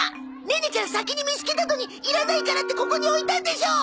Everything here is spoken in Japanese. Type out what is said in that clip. ネネちゃん先に見つけたのにいらないからってここに置いたんでしょ！